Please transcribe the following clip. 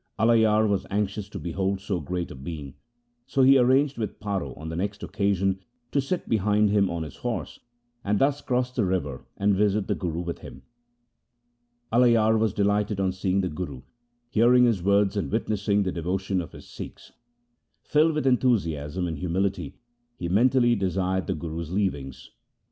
Alayar was anxious to behold so great a being, so he arranged with Paro on the next occasion to sit behind him on his horse, and thus cross the river and visit the Guru with him. Alayar was delighted on seeing the Guru, hearing his words, and witnessing the devotion of his Sikhs. Filled with enthusiasm and humility he mentally desired the Guru's leavings.